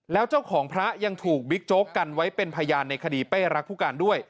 แล้วเจ้าของพระยังถูกบิ๊กโจ๊กกันไว้เป็นพยานในคดีเป้รักผู้การด้วย